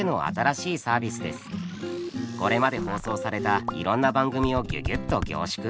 これまで放送されたいろんな番組をギュギュっと凝縮。